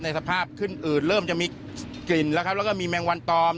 ในสภาพขึ้นอืดเริ่มจะมีกลิ่นแล้วก็มีแมงวันตอม